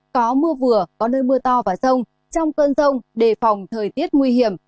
có mưa vừa có nơi mưa to và rông trong cơn rông đề phòng thời tiết nguy hiểm